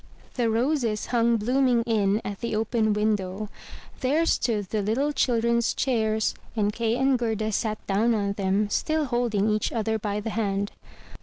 The roses hung blooming in at the open window; there stood the little children's chairs, and Kay and Gerda sat down on them, still holding each other by the hand.